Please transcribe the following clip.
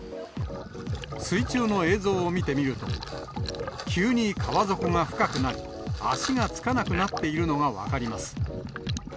水中の映像を見てみると、急に川底が深くなり、足がつかなくなっているのが分かります。